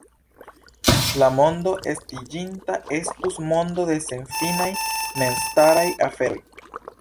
La mondo estiĝinta estus mondo de senfinaj memstaraj aferoj.